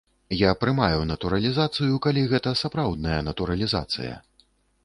Я прымаю натуралізацыю, калі гэта сапраўдная натуралізацыя.